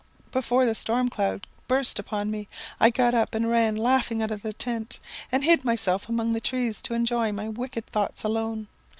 "Before the storm could burst upon me, I got up and ran laughing out of the tent, and hid myself among the trees to enjoy my wicked thoughts alone.